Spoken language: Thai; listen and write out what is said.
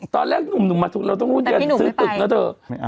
ตอนแรกนุ่มเรามาชวนแล้วตรงที่นี่ซื้อตึกเถอะ